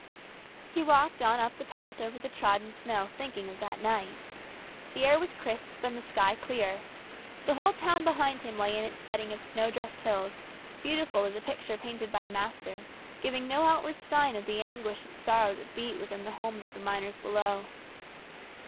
He walked on up the path over the trodden snow thinking of that night. The air was crisp and the sky clear. The whole town behind him lay in its setting of snow dressed hills, beautiful as a picture painted by a master, giving no outward sign of the anguish and sorrow that beat within the homes of the miners below.